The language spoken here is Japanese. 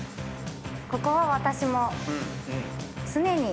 ここは私も。